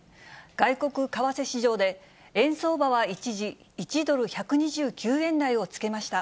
外国為替市場で、円相場は一時１ドル１２９円台をつけました。